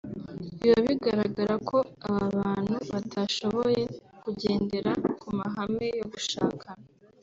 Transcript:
Biba bigaragara ko aba bantu batashoboye kugendera ku mahame yo gushakana